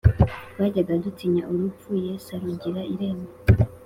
Twajyaga dutinya urupfu: Yes’ arugir' irembo